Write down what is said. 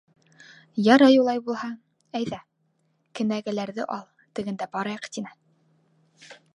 Ярай улай булһа, әйҙә, кенәгәләрҙе ал, тегендә барайыҡ, — тине.